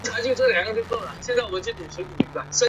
生态池水源主要来自隔壁的生命科学馆。